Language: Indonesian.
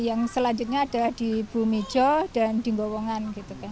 yang selanjutnya ada di bumi jo dan di ngowongan